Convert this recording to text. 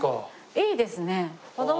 いいですね。